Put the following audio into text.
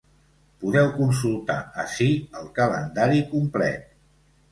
Podeu consultar ací el calendari complet.